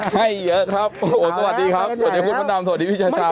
ให้เยอะครับโอ้โหสวัสดีครับสวัสดีคุณพระดำสวัสดีพี่ชาจา